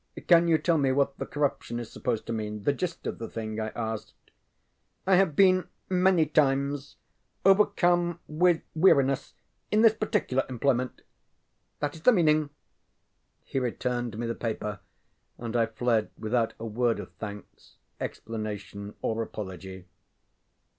ŌĆ£Can you tell me what the corruption is supposed to mean the gist of the thing? ŌĆØ I asked. ŌĆ£I have been many times overcome with weariness in this particular employment. That is the meaning. ŌĆØ He returned me the paper, and I fled without a word of thanks, explanation, or apology.